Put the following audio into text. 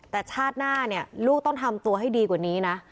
แต่ชาติหน้าเนี่ยลูกต้องทำตัวให้ดีกว่านี้นะ